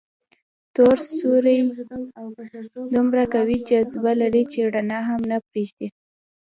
تور سوري دومره قوي جاذبه لري چې رڼا هم نه پرېږدي.